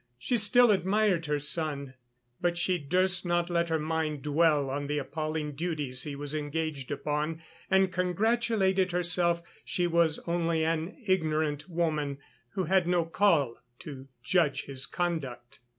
She still admired her son; but she durst not let her mind dwell on the appalling duties he was engaged upon and congratulated herself she was only an ignorant woman who had no call to judge his conduct.